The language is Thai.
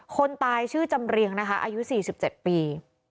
คนตายชื่อจำเรียงนะคะอายุสี่สิบเจ็ดปี